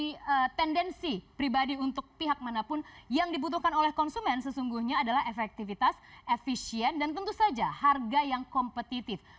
menjadi tendensi pribadi untuk pihak manapun yang dibutuhkan oleh konsumen sesungguhnya adalah efektivitas efisien dan tentu saja harga yang kompetitif